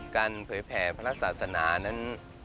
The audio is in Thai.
การเผยแพร่พระศาสนานั้น